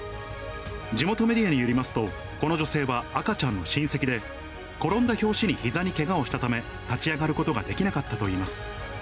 地元メディアによりますと、この女性は赤ちゃんの親戚で、転んだ拍子にひざにけがをしたため、立ち上がることができなかったといいます。